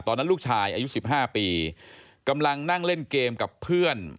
ตอนนั้นลูกชายอายุ๑๕ปีกำลังนั่งเล่นเกมกับเพื่อน